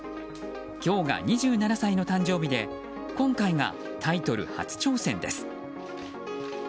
今日が２７歳の誕生日で今回がタイトル初挑戦です。